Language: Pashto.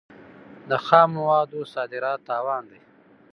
د خامو موادو صادرات تاوان دی.